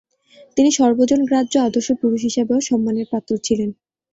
তিনি সর্বজনগ্রাহ্য আদর্শ পুরুষ হিসাবেও সম্মানের পাত্র ছিলেন।